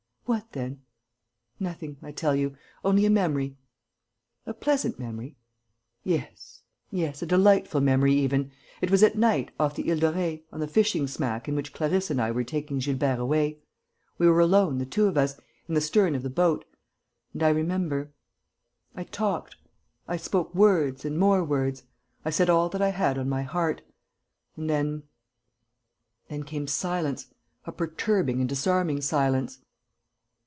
"What then?" "Nothing, I tell you ... only a memory." "A pleasant memory?" "Yes!... Yes, a delightful memory even. It was at night, off the Île de Ré, on the fishing smack in which Clarisse and I were taking Gilbert away.... We were alone, the two of us, in the stern of the boat.... And I remember.... I talked.... I spoke words and more words.... I said all that I had on my heart.... And then ... then came silence, a perturbing and disarming silence."